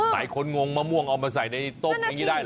งงมะม่วงเอามาใส่ในต้มอย่างนี้ได้เหรอ